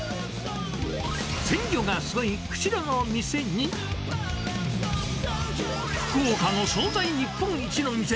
鮮魚がすごい釧路の店に、福岡の総菜日本一の店。